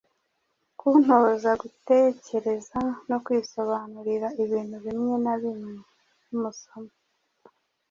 kuntoza gutekereza no kwisobanurira ibintu bimwe na bimwe. Nimusoma